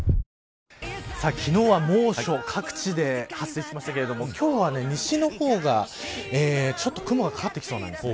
昨日は猛暑各地で発生しましたけれども今日は西の方が、ちょっと雲がかかってきそうなんです。